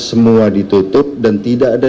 semua ditutup dan tidak ada